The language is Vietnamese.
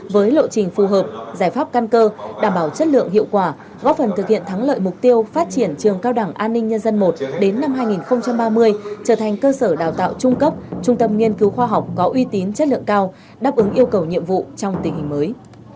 với lộ trình phù hợp giải pháp căn cơ đảm bảo chất lượng hiệu quả góp phần thực hiện thắng lợi mục tiêu phát triển trường cao đảng an ninh nhân dân i đến năm hai nghìn ba mươi trở thành cơ sở đào tạo trung cấp trung tâm nghiên cứu khoa học có uy tín chất lượng cao đáp ứng yêu cầu nhiệm vụ trong tình hình mới